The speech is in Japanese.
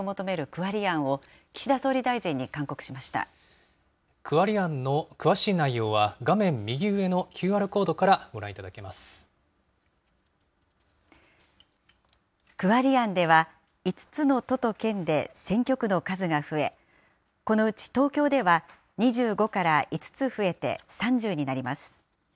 区割り案の詳しい内容は、画面右上のＱＲコードからご覧いた区割り案では、５つの都と県で選挙区の数が増え、このうち東京では２５から５つ増えて３０になります。